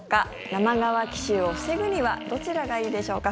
生乾き臭を防ぐにはどちらがいいでしょうか。